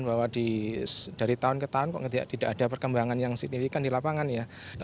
bahwa dari tahun ke tahun kok tidak ada perkembangan yang signifikan di lapangan ya